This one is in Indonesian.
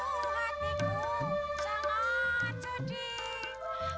hatiku sangat sedih